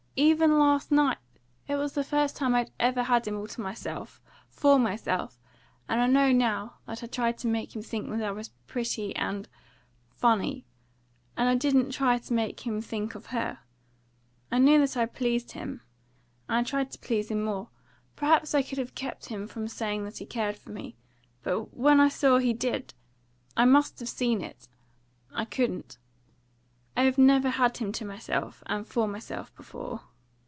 Even last night! It was the first time I ever had him all to myself, for myself, and I know now that I tried to make him think that I was pretty and funny. And I didn't try to make him think of her. I knew that I pleased him, and I tried to please him more. Perhaps I could have kept him from saying that he cared for me; but when I saw he did I must have seen it I couldn't. I had never had him to myself, and for myself before.